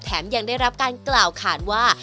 ยังได้รับการกล่าวขาดว่า